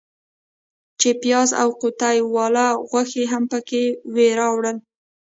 چې پیاز او قوطۍ والا غوښې هم پکې وې راوړل.